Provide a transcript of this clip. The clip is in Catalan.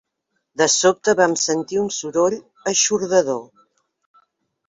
De sobte vam sentir un soroll eixordador.